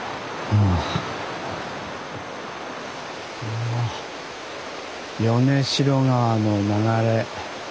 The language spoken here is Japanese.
お米代川の流れ。